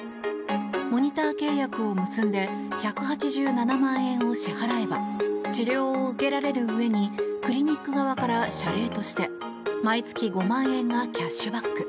モニター契約を結んで１８７万円を支払えば治療を受けられるうえにクリニック側から謝礼として毎月５万円がキャッシュバック。